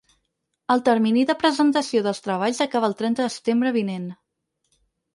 El termini de presentació dels treballs acaba al trenta de setembre vinent.